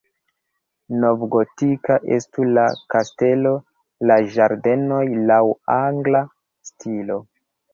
Novgotika estu la kastelo, la ĝardenoj laŭ angla stilo.